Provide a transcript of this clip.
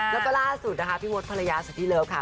แล้วก็ล่าสุดนะคะพี่มดภรรยาสุธิเลิฟค่ะ